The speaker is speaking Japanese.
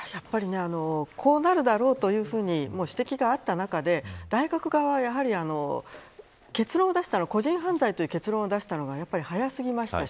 こうなるだろうというふうに指摘があった中で大学側はやはり個人犯罪という結論を出したのが早すぎました。